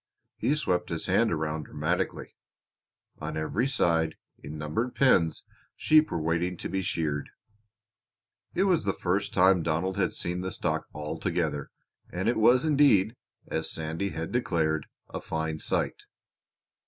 He swept his hand around dramatically. On every side, in numbered pens, sheep were waiting to be sheared. It was the first time Donald had seen the stock all together and it was indeed, as Sandy had declared, a fine sight.